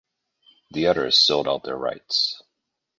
The others sold out their rights.